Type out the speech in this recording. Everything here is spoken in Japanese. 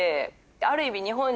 ある意味。